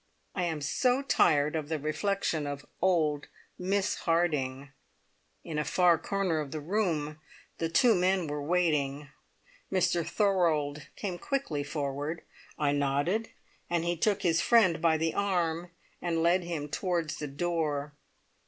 I am so tired of the reflection of old Miss Harding! In a far corner of the room the two men were waiting. Mr Thorold came quickly forward. I nodded, and he took his friend by the arm, and led him towards the door.